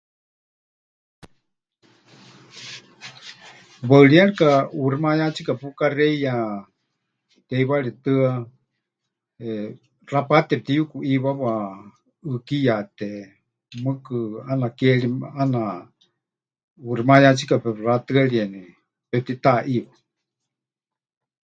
Waɨríyarika ʼuuximayátsika pukaxeiya teiwaritɨ́a, eh, xapáte pɨtiyukuʼíwawa, ʼɨ́kiyate, mɨɨkɨ ʼaana ke ri, eh, ʼaana ʼuuximayátsika pepɨxatɨ́arieni, pepɨtitaʼiiwa.